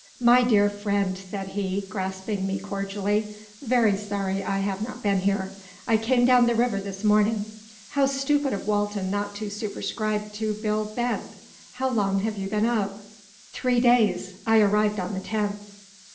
"My dear friend," said he, grasping me cordially, "very sorry I have not been here. I came down the river this morning. How stupid of Walton not to superscribe to Bill Bent! How long have you been up?" "Three days. I arrived on the 10th."